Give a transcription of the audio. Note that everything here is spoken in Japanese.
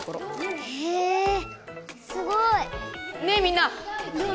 へぇすごい！ねえみんな！